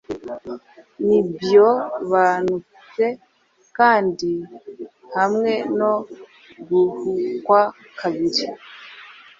Ntibiobanute kandi hamwe no guhukwa kabiri